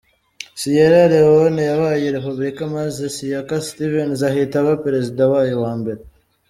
Sierra Leone yabaye Repubulika maze Siaka Stevens ahita aba perezida wayo wa mbere.